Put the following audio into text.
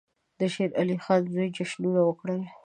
د شېر علي خان زوی جشنونه وکړل.